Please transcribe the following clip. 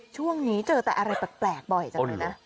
ช่วงนี้เจอแต่อะไรแปลกบ่อยจังเลยนะ